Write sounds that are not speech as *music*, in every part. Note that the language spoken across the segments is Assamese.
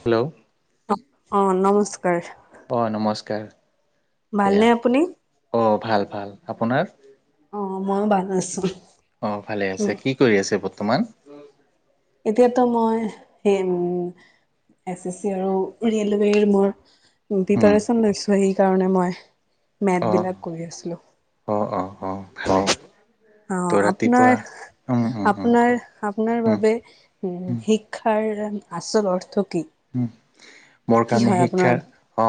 হেল্ল' অ নমস্কাৰ অ নমস্কাৰ দয়া ভালনে আপুনি অ ভাল ভাল আপোনাৰ অ মইো ভাল আছো অ ভালে আছে উম কি কৰি আছে বৰ্তমান এতিয়াতো মই সেই উম এছ এছ চি আৰু ৰেলৱেৰ মোৰ উম প্ৰিপচন লৈছো সেইকাৰণে মই মেথ বিলাক কৰি আছিলো অঁ খালে অ আপোনাৰ উম উম আপোনাৰ কওক আপোনাৰ উম বাবে উম শিক্ষাৰ আচল অৰ্থ কি উ মোৰ কি কাৰণে হয় আপোনাৰ শিক্ষা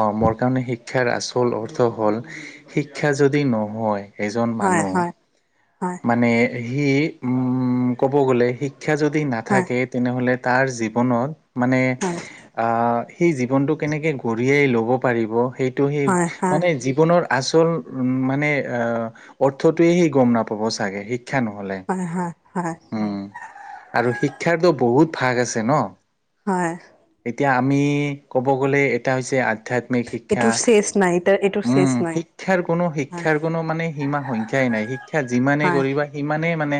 অ মোৰ কাৰণে শিক্ষ শিক্ষাৰ আচল অৰ্থ হ'ল শিক্ষা যদি নহয় এজন হয় মানুহ হয় হয় মানে সি উম ক'ব গ'লে শিক্ষা যদি হয় নাথাকে তেনেহ'লে তাৰ জীৱনত মানে হয় সেই জীৱনটো কেনেকৈ ঘঢ়িয়াই ল'ব পাৰিব সেইটো সেই হয় হয় মানে হয় জীৱনৰ আচল উ মানে অ অৰ্থটোৱে সি গম নাপাব চাগে শিক শিক্ষা নহলে হয় হয় উম আৰু শিক্ষাৰটোো বহুত ভাগ আছে ন হয় এতিয়া আমি ক'ব গ'লে এটা হৈছে আধ্যাত্মিক শিক্ষা এইটোৰ চেচ নাই এইটোৰ উম চেচ নাই শিক্ষাৰ কোনো হয় শিক্ষাৰ কোনো মানে সীমা সংখ্য্াই নাই শিক্ষা যিমানে হয় কৰিবা স ইমানেই মানে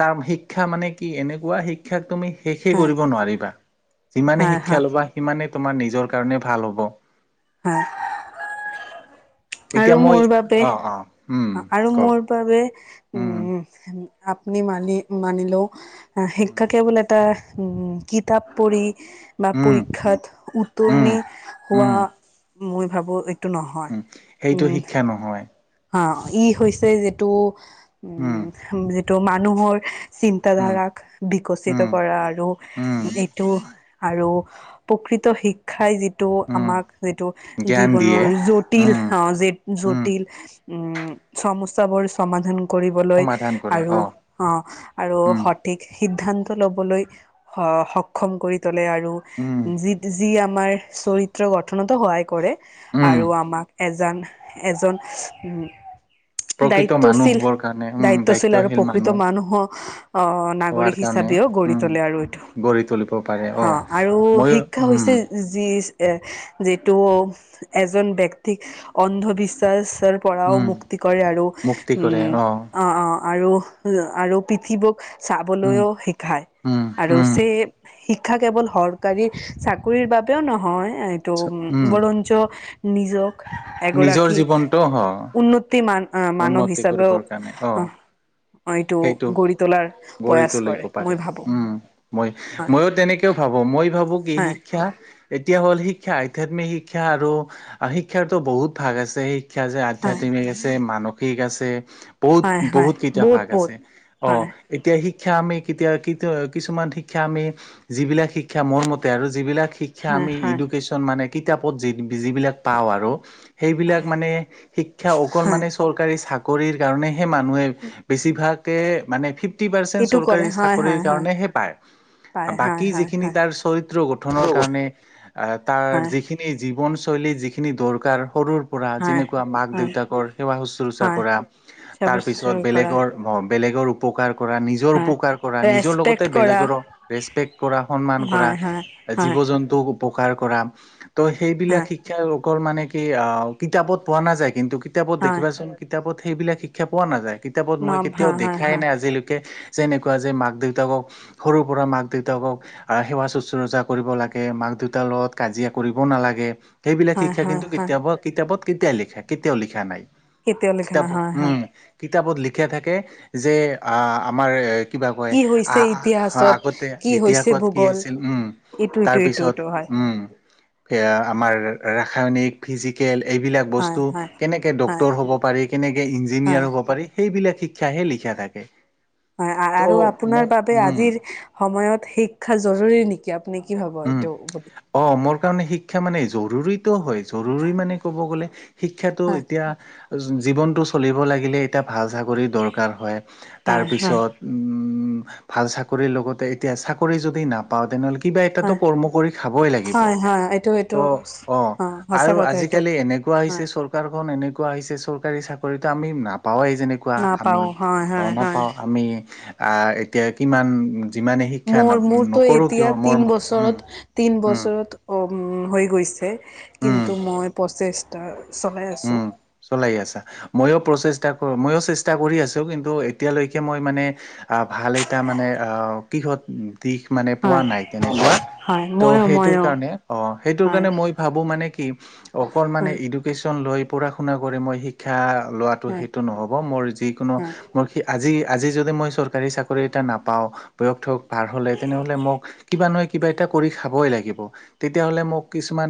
তাৰ শিক্ষা মানে কি এনেকুৱা শিক্ষাক তুমি শেষে হয় কৰিব নোৱাৰিবা যিমানে হয় হয় শিক্ষা ল'বা সিমানে তোমাৰ নিজৰ কাৰণে ভাল হ'ব হয় এতিয়া আৰু মই মোৰ বাবে অ', অ'। উম, আৰু কওক মোৰ বাবে উম আপনি মানি মানিলও উম, শিক্ষা কেৱল এটা উম কিতাপ পঢ়ি বা উম, পৰীক্ষাত উত্তৰণ উম। হোৱা উম, মই ভাবো এইটো নহয় উম, সেইটো উম শিক্ষা নহয় অ ই হৈছে যিটো উম যিটো মানুহৰ উম, চিন্তাধাৰাক বিকশিত উম, কৰা আৰু উম। এইটো আৰু প্ৰকৃত শিক্ষাই যিটো উম, আমাক টো জ্ঞান দিয়ে জীৱনৰ জটিল উম, অ উম, জটিল উম সমস্যা বোৰ সমাধান কৰিবলৈ সমাধান কৰে আৰু অ আৰু উম, সঠিক, সিদ্ধান্ত ল'বলৈ সক্ষম কৰি তলে আৰু উম, য আমাৰ চৰিত্ৰ গঠনতো হোৱাই কৰে উম। আৰু আমাক এজন, এজন প্ৰকৃত দায়িত্বশীল মানুহবোৰৰ কাৰণে উম দায়িত্বশীল আৰু প্ৰকৃত মানুহ, অ হোৱাৰ নাগৰিক কাৰণে হিচাপেও গঢ়ি উম তোলে আৰু এইটো গঢ়ি তুলিব পাৰে অ আৰু মইয়ো শিক্ষা উম হৈছে। যি যিটো এজন ব্যক্তিক অন্ধবিশ্বাস, ৰ পৰাও উম মুক্তি কৰে আৰু মুক্তি কৰে উম অ অ' আৰু আৰু পৃথিৱক উম চাবলৈও শিকায় উম আৰু উম সেই শিক্ষা কেৱল চৰকাৰী চাকৰিৰ বাবেও নহয় এইটো উ উম বৰঞ্চ নিজক, নিজৰ এগৰাকৰাকী জীৱনটো হ উন্নতি মান মানহ উন্নতি হিচাপও কৰিবৰ কাৰণে অ এইটো সেইটো গঢ়ি তোলাৰ গঢ়ি প্ৰয়াস তুলিব কৰে পাৰে মই ভাবো উম মই হয়। ময়ো তেনেকেও ভাবো মই ভাবো কি হয় শিক্ষা এতিয়া হ'ল শিক্ষা আধ্যাত্মিক শিক্ষা আৰু শিক্ষাৰ, তো বহুত ভাগ আছে শিক্ষা যে হয় আধ্যাত্মিক আছে মানসিক আছে। বহুত হয় হয় বহুত কেইটা ভাগ বহুত আছে অ' হয় এতিয়া শি শিক্ষা আমি কেতিয়া কিছুমান শিক্ষা আমি যিবিলাক শিক্ষা শিক্ষা মোৰ মতে আৰু যিবিলাক শিক্ষা হয় আমি হয় ইডুকেশ্যন মানে কিতাপত যি যিবিলাক পাওঁ আৰু সেইবিলাক হয় মানে শিক্ষা অকল হয় মানে চৰকাৰী চাকৰিৰ কাৰণে সেই মানুহে বেছিভাগে মানে ফিপ ফিফটি পাৰ্চেণ্ট এইটো কৰে চৰকাৰী হয় চাকৰিৰ হয় হয় কাৰণেহে পাৰ পাৰে হয় বাকী হয় যিখিনি হয় তাৰ চৰিত্ৰ গঠনৰ কাৰণে আ তাৰ হয় যিখিনি জীৱন হৈলী যিখিনি দৰকাৰ সৰু হয় যেনেকুৱা মাক হয় দেউতাকৰ সেৱা শুশ্ৰূষা হয় কৰা, চাব তাৰ পিছত চুৰ কৰা বেলেগৰ বেলেগৰ উপকাৰ কৰা, নিজৰ হয় উপকাৰ কৰা, নিজৰ ৰেচপেক্ট লগতে কৰা বেলেগৰো ৰেচপেক্ট কৰা সন্মান কৰা হয় হয় জীৱ হয় জীৱ জন্তু উপকাৰ কৰা তো সেইবিলাক হয় শিক্ষা অকল মানে কি কিতাপত প নাযায় কিন্তু কিতাপত হয় দেখিবাচোন কিতাপত সেইবিলাক শিক্ষা পোৱা নাযায়। কিতাপত ন মই কেতিয়াও হয় হয় দেখাই হয় নাই আজিলৈকে। কে যেনেকোৱা যে মাক দেউতাকক সৰুৰ পৰা মাক দেউতাকক সেৱা শুশ্ৰূচা কৰিব লাগে গে মাক দেউতাৰ লগত কাজিয়া কৰিব নালাগে, সেইবিলাক হয় শিক্ষা হয় কিন্তু হয় কিতাপত কিতাপত কেতিয়া লিখে কেতিয়াও লিখা নাই। কেতিয়াও লিখা নাই কিতাপত হয় হয় উম কিতাপত লিখা থাকে যে আ আমাৰ কিবা কয় কি আ হৈছে আ ইতিহাসত আগতে কি হৈছে ইতিহাসত কি ভূগোল হৈছিল উম ইটো ইটো ইটো তাৰপিছত উম *inaudible* এয়া আমাৰ ৰাসায়নিক ফিজিকেল এইবিলাক হয় বস্তু হয় কেনেকে হয় ডক্তৰ হ'ব পাৰি কেনেকে হয় ইঞ্জিনিয়াৰ হ'ব পাৰি সেইবিলাক শি শিক্ষাহে লিখা থাকে। হয় আৰু ত' মই আপোনাৰ বাবে উম আজিৰ সময়ত শিক্ষা জৰুৰী নেকি? নে কি হব সেইটো? তাৰমানে শিক্ষা মানে জৰুৰীতটো হয় জৰুৰী মানে ক'ব গলে শিক্ষাটো হয় এতিয়া জীৱনতটো চলিব লাগিলে এতিয়া ভাল চাক কৰি দৰকাৰ হয় হয় হয় তাৰপিছত ভাল চাকৰিৰ লগতে এতিয়া চাকৰি যদি নাপাও তেনেহ'লে কি কিবা এটাতো হয় কৰ্ম কৰি খাবই লাগিব, হয় হয় এইটো ত এইটো অ' সঁচা আৰু কথা এইটো আজিকালি এনেকোৱা কোৱা হয় হৈছে চৰকাৰখন এনেকোৱা কোৱা হৈছে চৰকাৰী চাকৰিতো আমি নাপাওেঁই যেনেকুৱা আমি নাপাও হয় অ' হয় হয় নাপাওঁ আমি এতিয়া কিমান যিমানে শিক্ষা মোৰ মোৰতো নকৰোঁ এতিয়া কিয় তিন মোৰ মত বছৰত তিন বছৰত অ'। উম উম হৈ গৈছে কিন্তু উম। মই প্ৰচেষ্টা চলাই আছোঁ উম, চলাই আছা। ময়ো প্ৰচেষ্টা কৰোঁ ময়ো চেষ্টা কৰি আছোঁ কিন্তু এতিয়ালৈকে মই মানে ভাল এটা মানে অহ কিহত দিশ মানে পোৱা হয় নাই তেনেকুৱা। হয় ত ময়ো সেইটো ময়ো কাৰণে অ' সেইটো হয় কাৰণে মই ভাবো মানে কি অকল মানে হয় এডোকেছ লৈ পঢ়া শুনা কৰি মই শিক্ষা লোৱাটো হয় সেইটো নহ'ব মোৰ যিকোনো হয় মোৰ আজি আজি যদি মই চৰকাৰী চাকৰি এটা নাপাওঁ বয়সটো পাৰ হ'লে, তেনেহ'লে মোক কিবা নহয় কিবা এটা কৰি খাবই লাগিব। তেতিয়াহ'লে মোক কিছুমান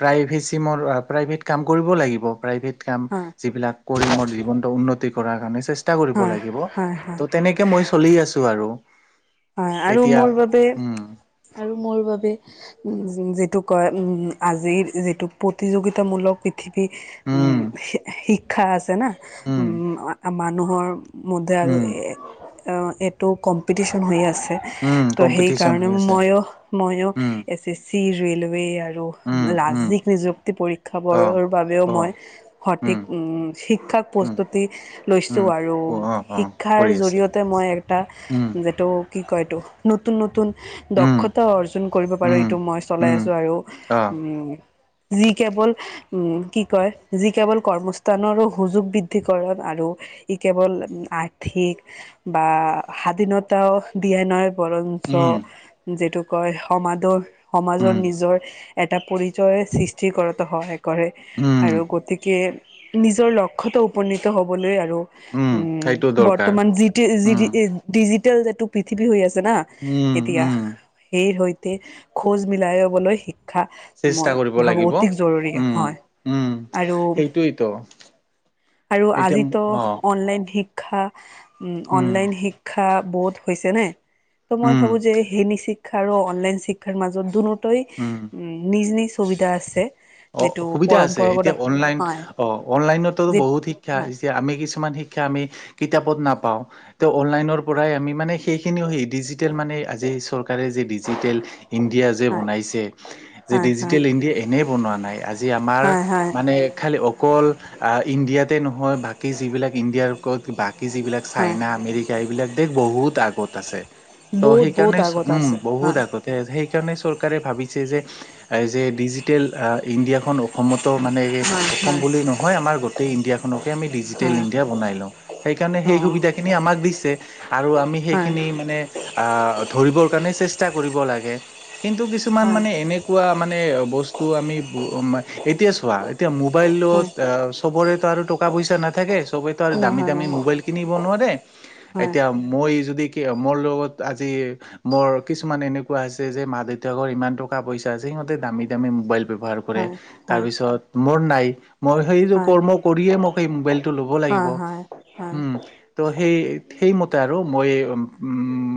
প্ৰাইভেচি মোৰ প্ৰাইভেট কাম কৰিব লাগিব। প্ৰাইভেট কাম হয় যিবিলাক কৰি মোৰ জীৱনটো উন্নতি কৰাৰ কাৰণে চেষ্টা চেষ্টা কৰিব হয় লাগিব হয় হয় ত' তেনেকে মই চলি আছো আৰু। হয় আৰু এতিয়া মোৰ বাবে উম আৰু মোৰ বাবে উম, যিটো কয় উম, আজিৰ যিটো প্ৰতিযোগিতামূলক পৃথিৱী উম শি শি শিক্ষা আছে না উম মানুহৰ মতে আৰু উম এইটো কম্পিতেশন হৈয়ে আছে। উম ত' কম্পিটিচন হৈ সেইকাৰণেও আছে মই ময়ো উম এছ এছ চি ৰেলৱে আৰু উম উম লাজিক নিযুক্তি পৰীক্ষা অ বোৰৰ বাবেও অ মই সঠিক উম, শিক্ষাক উম প্ৰস্তুত লৈছোঁ উম আৰু অ অ অ শিক্ষাৰ কৰি আছে জৰিয়তে মই এটা। উম যিটো কি কয় তটো নতুন-নতুন, উম দক্ষতা অৰ্জন কৰিব পাৰো উম এইটো মই চলাই উম আছো আৰু অ উম, যি কেৱল কি কয় যি কেৱল কৰ্মস্থানৰো সুযোগ বৃদ্ধিকৰক আৰু ই কেৱল আৰ্থিক বা সাদিনত, টা দিয়া নয় বৰঞ্চ উম যিটো কয় সমাদৰ, সমাজৰ উম নিজৰ এটা পৰিচয় সৃষ্টি কৰাতো সহায় কৰে। উম আৰু গতিকে নিজৰ লক্ষ্যটো উপনীত হবলৈ আৰু উম, সেইটো দৰকাৰ বৰ্তমান উম ডিজিটেল যটো পৃথিৱী হৈ আছে। জানা উম, এতিয়া উম, সেই সৈতে খোজ মিলাইবলৈ শি শিক্ষা চেষ্টা মই কৰিব ভাবো লাগিব। অতিক জৰুৰী উম, হয় উম, আৰু। সেইটোৱেইতো আৰু এতিয়া আজিতো অ', অনলাইন শিক শিক্ষা উম, উম, অনলাইন শিক্ষা বহুত হৈছেনে। ত মই উম, ভাবো যে হেনী শিক্ষা আৰু অনলাইন শিক্ষাৰ মাজত দুনো ই উম। নিজ-নিজ সুবিধা আছে। অ' যিটো সুবিধা আছে পৰম্পৰাগত এতিয়া অনলাইন হয় অ' অনলাইনতো যি বহুত শিক্ষা হয় এতিয়া আমি কি কিছুমান শিক্ষা আমি কিতাপত নাপাওঁ তে অনলাইনৰ পৰাই আমি মানে। সেইখিনিও সেই ডিজিটেল মানে আজি চৰকাৰে যে ডিজিটেল ইণ্ডিয়া যে হয় বনাইছে। যে হয় হয় ডিজিটেল ইণ্ডিয়া এনে এনেয়ে বনোৱা নাই আজি আমাৰ হয় হয় মনে খালী অকল ইণ্ডিয়া তে নহয় বাকি জিবিলাক ইণ্ডিয়াৰত বাকী যিবিলাক হয় চাইনা আমেৰিকা এইবিলাক দেশ বহুত আগত আছে। ত' বহুত বহুত সেইকাৰণে আগত উম, আছে বহুত হয় আগতে সেইকাৰণে চৰকাৰ চৰকাৰে ভাবিছে যে যে ডিজিটেল ইণ্ডিয়াখন অসমত ত মানে হয় অসম হয় বুলি নহয় আমাৰ গোটেই ইণ্ডিয়াখনকে আমি ডিজিটেল হয় ইণ্ডিয়া বনাই লওঁ সেইকাৰণে। অ সেই সূবিধা খিনি আমাক দিয়ে আৰু আমি হয় সেইখিনি মানে অহ, ধৰিবৰ কাৰণে চেষ্টা লাহে কিন্তু কিছু হয় মানে এনেকুৱা মানে বস্তু আমি মানে এতিয়া চোৱা মোবাইল হয় ত চবৰে টকা পইচা নাথাকে সবেই টো আৰু দামি নহয় দাম নহয় মবাইল কিনিব নোৱাৰে এতিয়া মই মোৰ লগত আজি মোৰ কিছুমান এনেকুৱা আ হৈছে যে মা দেউতাকৰ ইমান টকা পইচা। সিহতে দামী-দামী মো ব্যৱ্হাৰ কৰে হয় হয় তাৰপিছ মোৰ ন মই সেই হয় কৰ্ম কৰিয়েই মোবাইল টো লব লাগিব হয় হয় উম, ত সেই সেইমতে আৰু মই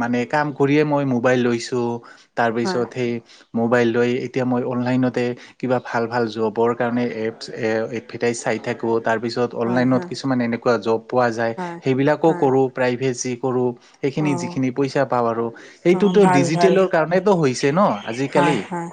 মানে কাম কৰিয়ে মই মোবাইল লৈছোঁ হয় তাৰপিছত। মবাইল লৈ এতিয়া মই অনলনত তাতে কিবা ভাল ভাল জবৰ কাৰণে এভ এডভাৰটাইজ চাই থাকোঁ। তাৰপিছত হয় অনলাইনত হয় কিছুমান এনেকুৱা জব পোৱা যায় হয় হয় হয় সেইবিলাকো হয় কৰোঁ প্ৰাইভেচি কৰোঁ। অ সেইখিনি যিখিনি পইচা পাওঁ আৰু অ সেইটোতো ভাল ভাল ডিজিটেলৰ কাৰণেতো হৈছে নহ হয় আজিকালি। হয়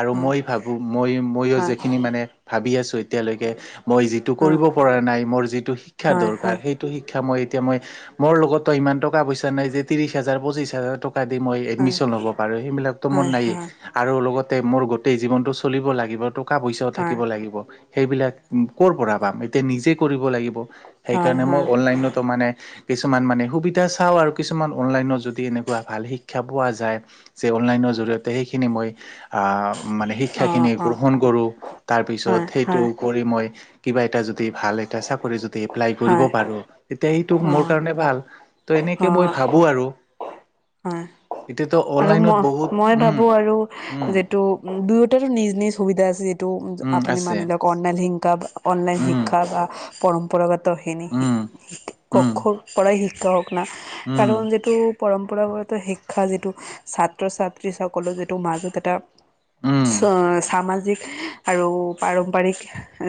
আৰু হয় মই ভাবো মই মইও হয় যিখিনি মানে ভাবি আছোঁ এতিয়ালৈকে। মই যিটো হয় কৰিব পৰা নাই মোৰ যিটো শিক্ষা হয় দৰকাৰ হয় সেইটো শিক্ষা মই। তেতিয়া মই মোৰ লগতো ইমান টকা পইচা নাই যে ত্ৰিশ হাজাৰ পঁচিশ হাজাৰ টক। কা দি মই হয় এডমিছন লব পাৰোঁ সেইবিলাকটো মোৰ হয় নাইয়ে হয় আৰু লগতে মোৰ গোটেই জীৱনটো। চলিব লাগিব টকা পইচাও হয় থাকিব লাগিব। সেইবিলাক ক'ৰ পৰা পাম এতিয়া নিজে কৰিব লাগিব হয় সেইকাৰণে মই হয় অনলাইনতো মানে। কিছুমান মানে সুবিধা চাওঁ আৰু কিছুমান অনলাইনত যদি এনেকুৱা ভাল শিক্ষা পোৱা যায় যে অনলাইনত। জৰিয়তে সিখিনি মই আ মান। অ শিক্ষাখিনি অ গ্ৰহণ কৰোঁ তাৰপিছত হয় সেইটো হয় কৰি মই। কিবা এটা যদি ভাল এটা চাকৰি যদি এপ্লাই কৰিব হয় পাৰোঁ। তেতিয়া সেইটো অ মোৰ কাৰণে ভাল ত' এনেকে অ মই ভাবোঁ আৰু। হয় এতিয়াতো আৰু অনলাইনত বহুত মই মই উম ভাবোঁ আৰু উম যিটো দুয়ো। *unintelligible* নিজ নিজ সুবিধা আছে যিটো উম আপুনি আছে মানি লওক অনলাইন হিংসা। অনলাইন উম শিক্ষা বা পৰম্পৰাগতখিনি উম *unintelligible* উম পৰাই শিকাওঁক। উম কাৰণ যিটো পৰম্পৰাগত শিক্ষা যিটো। ছাত্ৰ ছাত্ৰীসকলো যিটো মাজত এটা। উম সামাজিক আৰু পাৰম্পৰিক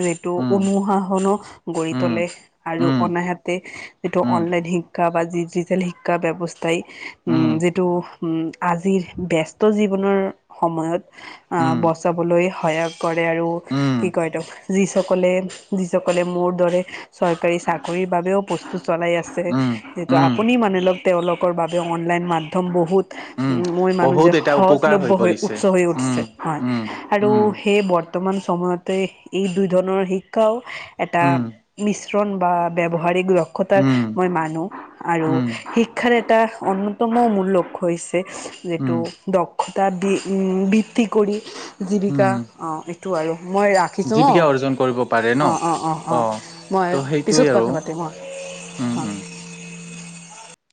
যিটো উম অনুশাসনো। গঢ়ি উম তোলে আৰু উম আনহাতে যিটো উম অনলাইন শিক্ষা বা ডিজিটেল শিক্ষা ব্যৱস্থা। *unintelligible* উম যিটো উম। আজিৰ ব্যস্ত জীৱনৰ সময়ত উম বচাবলৈ সহায় কৰে আৰু। উম কি কয় সিটোক যিসকলে যিসকলে মোৰ দৰে চৰকাৰী চাকৰিৰ বাবেও। বস্তু চলাই আছে উম যিটো উম আপুনি মানি লওঁক তেওঁলোকৰ বাবে অনলাইন মাধ্যম বহুত। উম মই মানো যে বহুত এটা উপকাৰ সহজলভ্য হৈ পৰিছে উৎস হৈ উম উঠিছে হয় উম আৰু। উম সেয়ে বৰ্তমান সময়তে এই দুই ধৰণৰ শিক্ষাও এটা উম মিশ্ৰণ বা। উম, উম, *unintelligible* *unintelligible* যিটো উম, দক্ষতা বৃত্তি কৰি জীৱিকা উম, এইটো আৰু। মই ৰাখিছোঁ অ জীৱিকা অৰ্জন কৰিব পাৰে ন? অঁ অঁ অঁ অঁ। অ', মই ত' পিছত সেইটোৱে আৰু কথা পাতিম অ উম, উম। হয়।